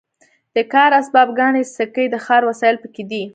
د کار اسباب ګاڼې سکې د ښکار وسایل پکې دي.